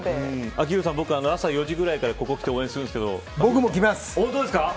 昭浩さん朝４時ぐらいからここに来て応援するんですけど。